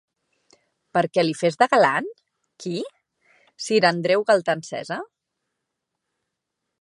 Perquè li fes de galant? Qui? Sir Andreu Galtaencesa?